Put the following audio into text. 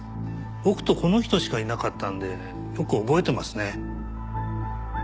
僕とこの人しかいなかったんでよく覚えてますね。